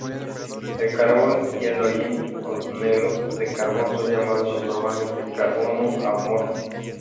El carbón y el hollín o negro de carbón son llamados informalmente carbono amorfo.